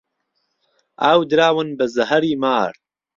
ئاو دراون بە زهەری مار